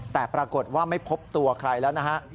แต่ปรากฏว่าไม่พบตัวใครแล้วนะฮะ